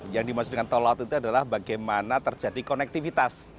yang dimaksud dengan tol laut itu adalah bagaimana terjadi konektivitas